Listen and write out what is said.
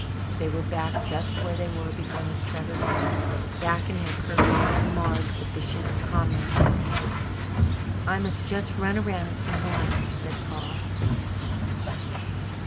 They were back just where they were before Miss Trevor came back in their perfect, unmarred, sufficient comradeship. "I must just run around and see Nora first," said Paul.